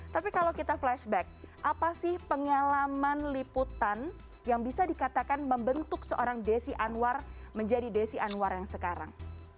tapi kalau kita flashback apa sih pengalaman liputan yang bisa dikatakan membentuk seorang desi anwar menjadi desi anwar yang sekarang